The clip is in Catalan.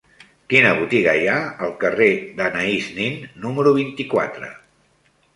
Quina botiga hi ha al carrer d'Anaïs Nin número vint-i-quatre?